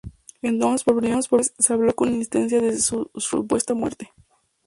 Entonces, por primera vez, se habló con insistencia de su supuesta muerte.